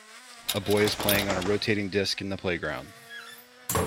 A boy is playing on a rotating disk in the playground.